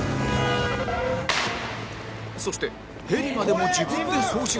そしてヘリまでも自分で操縦